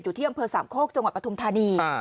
อยู่ที่อำเภอสามโคกจังหวัดปฐุมธานี